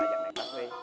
gue ngajak naik bus weh